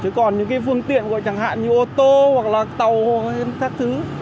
chứ còn những cái phương tiện gọi chẳng hạn như ô tô hoặc là tàu hoặc là các thứ